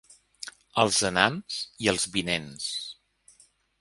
Els anants i els vinents.